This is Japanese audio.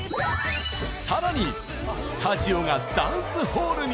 さらにスタジオがダンスホールに